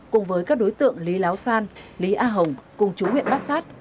cùng với các đối tượng lý láo san lý a hồng cùng chú huyện bát sát